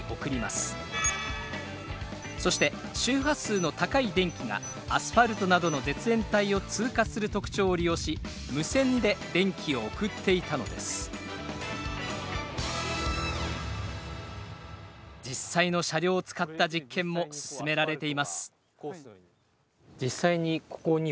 そして周波数の高い電気がアスファルトなどの絶縁体を通過する特徴を利用し無線で電気を送っていたのです実際の車両を使った実験も進められています